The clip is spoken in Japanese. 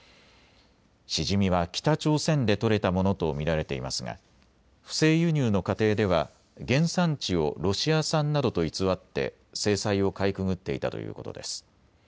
シジミは北朝鮮で取れたものと見られていますが不正輸入の過程では原産地をロシア産などと偽って制裁をかいくぐっていたということです。